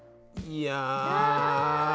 いや！